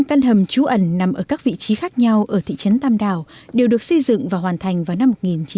năm căn hầm trú ẩn nằm ở các vị trí khác nhau ở thị trấn tam đảo đều được xây dựng và hoàn thành vào năm một nghìn chín trăm bảy mươi